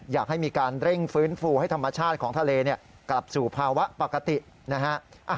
อยากให้มีการเร่งฟื้นฟูให้ธรรมชาติของทะเลกลับสู่ภาวะปกตินะฮะ